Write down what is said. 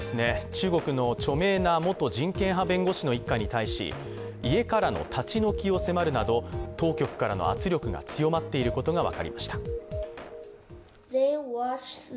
中国の著名な元人権派弁護士の一家に対し家からの立ち退きを迫るなど当局からの圧力が強まっていることが分かりました。